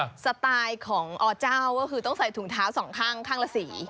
สไตล์ของอเจ้าก็คือต้องใส่ถุงเท้าสองข้างข้างละสี